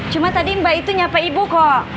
cuma tadi mbak itu nyapa ibu kok